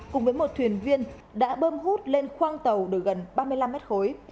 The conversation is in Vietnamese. cùng với một thuyền viên đã bơm hút lên khoang tàu được gần ba mươi năm mét khối